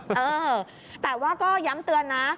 เออแต่ว่าก็ย้ำเตือนนะ